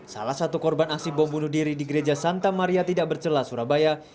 salah satu korban aksi bom bunuh diri di gereja santa maria tidak bercela surabaya